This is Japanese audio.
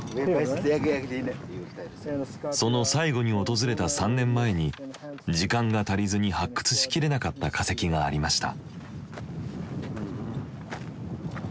その最後に訪れた３年前に時間が足りずに発掘しきれなかった化石がありました。